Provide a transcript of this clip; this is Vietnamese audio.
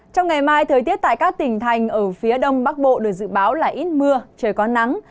trong ngày mai thời tiết tại các tỉnh thành ở phía đông bắc bộ được dự báo là ít mưa trời có nắng